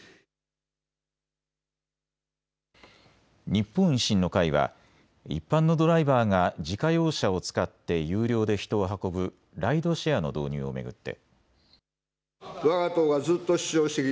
日本維新の会は一般のドライバーが自家用車を使って有料で人を運ぶライドシェアの導入を巡って。